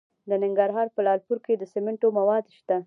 د ننګرهار په لعل پورې کې د سمنټو مواد شته.